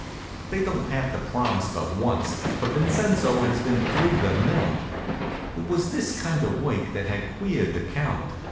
They don't have to promise but once, for Vincenzo has been through the mill. It was this kind of work that had queered the count.